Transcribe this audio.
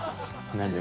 何で？